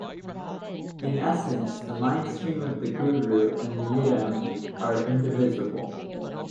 In essence, the mindstream of the guru and the yidam are indivisible.